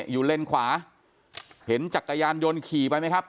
เลนขวาเห็นจักรยานยนต์ขี่ไปไหมครับ